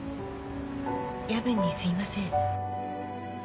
夜分にすいません。